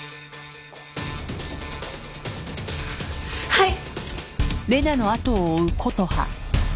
はい。